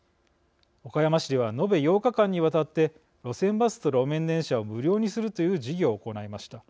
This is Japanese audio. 岡山市では延べ８日間にわたって路線バスと路面電車を無料にするという事業を行いました。